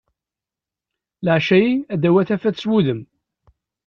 Leɛca-ayi ad tawi tafat s wudem.